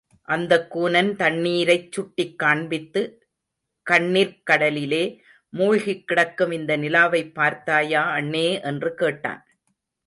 அந்தக் கூனன் தண்ணீரைச் சுட்டிக் காண்பித்து, கண்ணிர்க் கடலிலே மூழ்கிக்கிடக்கும் இந்த நிலாவைப் பார்த்தாயா அண்ணே! என்று கேட்டான்.